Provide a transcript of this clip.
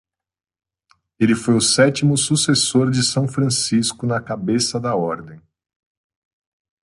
Ele foi o sétimo sucessor de São Francisco na cabeça da ordem.